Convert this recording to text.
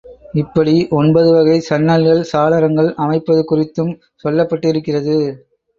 இப்படி ஒன்பது வகை சன்னல்கள் சாளரங்கள் அமைப்பது குறித்தும் சொல்லப்பட்டிருக்கிறது.